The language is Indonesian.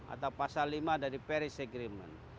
atau pasal lima dari paris agreement